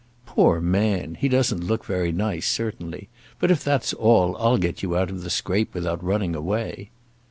"Poor man; he doesn't look very nice, certainly; but if that's all I'll get you out of the scrape without running away."